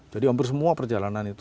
jadi hampir semua perjalanan itu